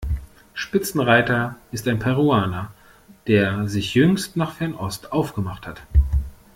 Spitzenreiter ist ein Peruaner, der sich jüngst nach Fernost aufgemacht hat.